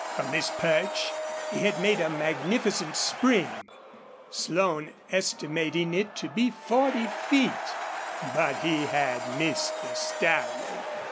From this perch he had made a magnificent spring Slone estimating it to be forty feet but he had missed the stallion.